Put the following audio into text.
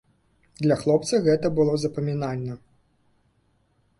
Для хлопца гэта было запамінальна.